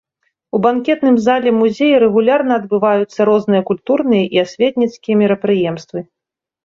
У банкетным зале музея рэгулярна адбываюцца розныя культурныя і асветніцкія мерапрыемствы.